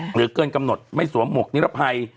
เกินกำหนดไม่สวมหมวกนิรภัย